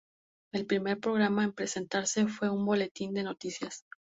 El primer programa en presentarse fue un boletín de noticias.